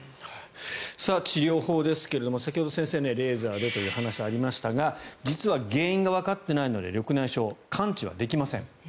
治療法ですが先ほど先生、レーザーでというお話がありましたが実は原因がわかっていないので緑内障、完治はできません。